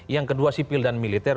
yang kedua sipil dan militer